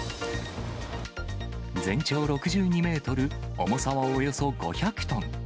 全長６２メートル、重さはおよそ５００トン。